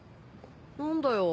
何だよ